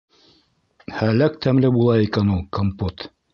Һәләк тәмле була икән ул компот.